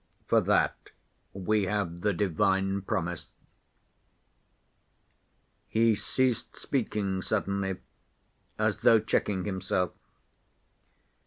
For that we have the divine promise." He ceased speaking suddenly, as though checking himself.